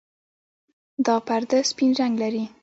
دا پرده سپین رنګ لري.